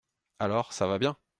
Alors, ça va bien !…